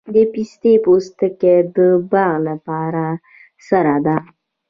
د پستې پوستکي د باغ لپاره سره ده؟